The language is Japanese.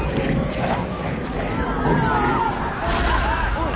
おい！